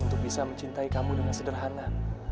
untuk bisa mencintai kamu dengan sederhana